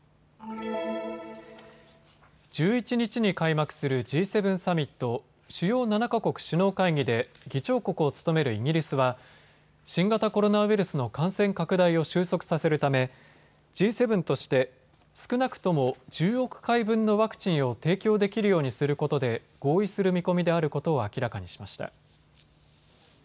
１１日に開幕するＧ７サミット・主要７か国首脳会議で議長国を務めるイギリスは新型コロナウイルスの感染拡大を収束させるためＧ７として少なくとも１０億回分のワクチンを提供できるようにすることで合意する見込みであることを明らかにしました。